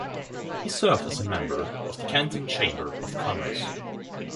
He served as a member of the Kenton Chamber of Commerce.